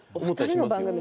お二人の番組